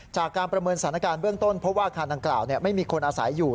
จากการประเมินสถานการณ์เบื้องต้นเพราะว่าอาคารดังกล่าวไม่มีคนอาศัยอยู่